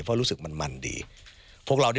เพราะรู้สึกมันดี